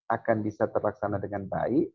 akan bisa terlaksana dengan baik